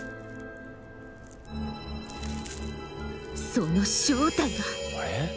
その正体は。